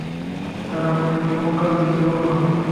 তারা তখনই মক্কার দিকে রওনা হল।